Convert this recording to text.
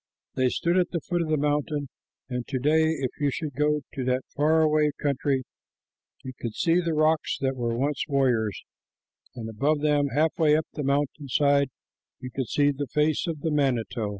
They stood at the foot of the mountain, and to day, if you should go to that far away country, you could see the rocks that were once warriors, and above them, halfway up the mountain side, you could see the face of the manito.